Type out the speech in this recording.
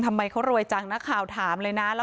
ทำไมเขารวยจังนักข่าวถามเลยนะ